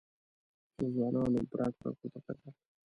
څو ځوانانو برګ برګ ورته کتل.